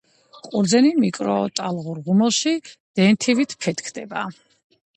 ყურძენი მიკროტალღურ ღუმელში დენთივით ფეთქდება